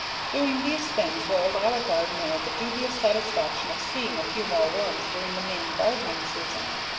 Doing these things will allow a gardener the dubious satisfaction of seeing a few more worms during the main gardening season.